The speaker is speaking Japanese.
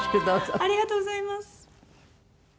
ありがとうございます。